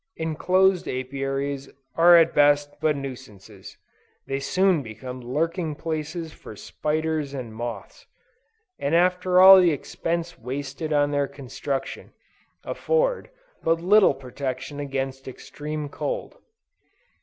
Enclosed Apiaries are at best but nuisances: they soon become lurking places for spiders and moths; and after all the expense wasted on their construction, afford, but little protection against extreme cold.